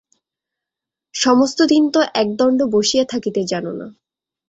সমস্ত দিন তো এক দণ্ড বসিয়া থাকিতে জান না।